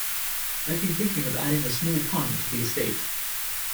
I'd been thinking of adding a small pond to the estate.